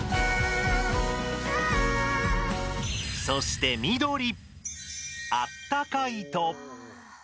そして緑！